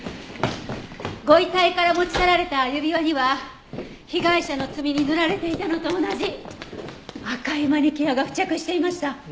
ご遺体から持ち去られた指輪には被害者の爪に塗られていたのと同じ赤いマニキュアが付着していました。